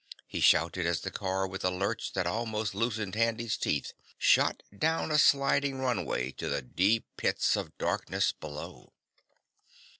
he shouted as the car with a lurch that almost loosened Handy's teeth shot down a sliding runway to the deep pits of darkness below.